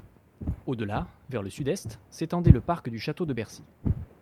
Au-delà, vers le sud-est, s’étendait le parc du château de Bercy.